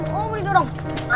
oh boleh dorong